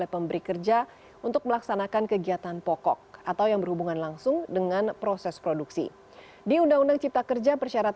perusahaan penyedia jasur